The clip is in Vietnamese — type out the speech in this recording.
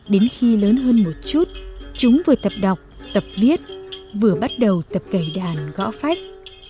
đến khi lớn hơn một chút chúng vừa tập đọc tập viết vừa bắt đầu tập kể đàn gõ phách